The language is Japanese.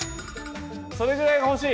それぐらいが欲しい！